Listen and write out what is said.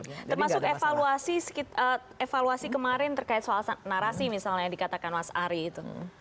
termasuk evaluasi kemarin terkait soal narasi misalnya yang dikatakan mas ari itu